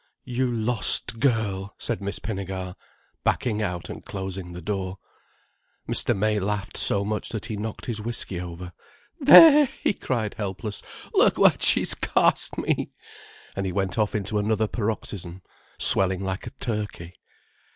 "You lost girl!" said Miss Pinnegar, backing out and closing the door. Mr. May laughed so much that he knocked his whiskey over. "There," he cried, helpless, "look what she's cost me!" And he went off into another paroxysm, swelling like a turkey.